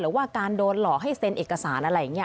หรือว่าการโดนหลอกให้เซ็นเอกสารอะไรอย่างนี้